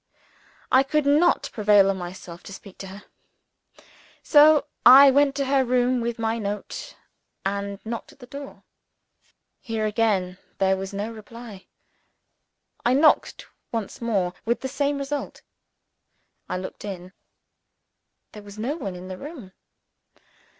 I could not prevail on myself to speak to her. So I went to her room with my note, and knocked at the door. Here again there was no reply. I knocked once more with the same result. I looked in. There was no one in the room.